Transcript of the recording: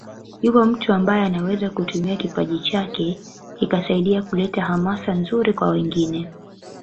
Yupo mtu ambaye anaweza kutumia kipaji chake kikasaidia kuleta hamasa nzuri kwa wengine